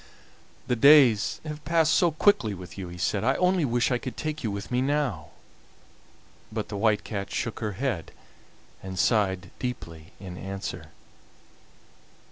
"The days have passed so quickly with you," he said, "I only wish I could take you with me now." But the White Cat shook her head and sighed deeply in answer.